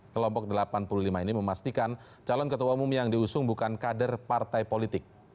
kelompok delapan puluh lima ini memastikan calon ketua umum yang diusung bukan kader partai politik